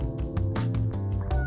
ya ada di jalan jalan prank